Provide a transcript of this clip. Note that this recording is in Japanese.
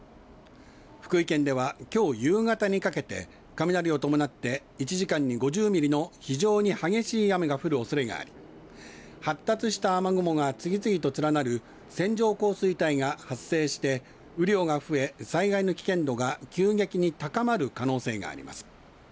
福井県ではきょう夕方にかけて雷を伴って１時間に５０ミリの非常に激しい雨が降るおそれがあり発達した雨雲が次々と連なる線状降水帯が発生して雨量が増え災害の危険度が急激に高まる可能性があります。